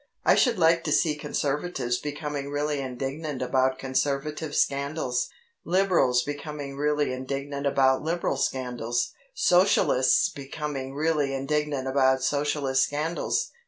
I should like to see Conservatives becoming really indignant about Conservative scandals, Liberals becoming really indignant about Liberal scandals, Socialists becoming really indignant about Socialist scandals.